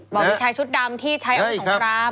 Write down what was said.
บอกว่าใช้ชุดดำที่ใช้อาวุธของกราม